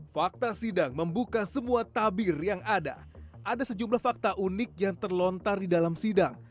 fakta sidang membuka semua tabir yang ada ada sejumlah fakta unik yang terlontar di dalam sidang